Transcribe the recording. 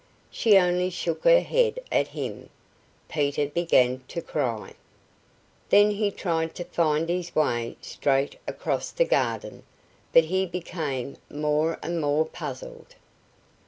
She only shook her head at him. Peter began to cry. Then he tried to find his way straight across the garden, but he became more and more puzzled.